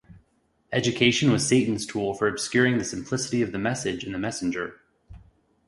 Education was Satan's tool for obscuring the "simplicity of the Message and the messenger".